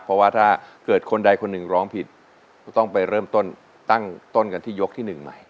เพราะว่าถ้าเกิดคนใดคนหนึ่งร้องผิดก็ต้องไปเริ่มต้นตั้งต้นกันที่ยกที่๑ใหม่